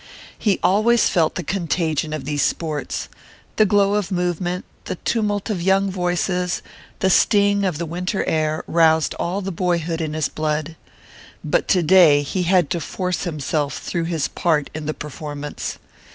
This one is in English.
He always felt the contagion of these sports: the glow of movement, the tumult of young voices, the sting of the winter air, roused all the boyhood in his blood. But today he had to force himself through his part in the performance.